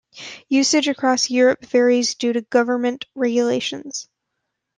Usage across Europe varies due to government regulations.